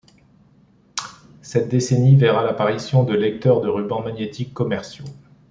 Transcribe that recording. Cette décennie verra l'apparition de lecteurs de ruban magnétique commerciaux.